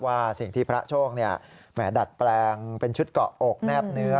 ว่าสิ่งที่พระโชคดัดแปลงเป็นชุดเกาะอกแนบเนื้อ